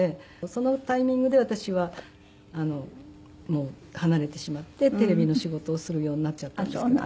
そのタイミングで私は離れてしまってテレビの仕事をするようになっちゃったんですけど。